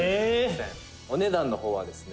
「お値段の方はですね